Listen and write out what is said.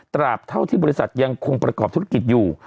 ตราบเท่าที่บริษัทยังคงประกอบธุรกิจอยู่